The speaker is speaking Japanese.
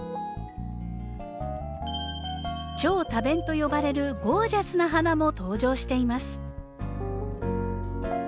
超多弁と呼ばれるゴージャスな花も登場しています。